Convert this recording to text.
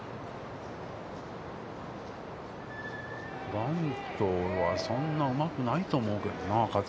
バントはそんなうまくないと思うけどな、香月。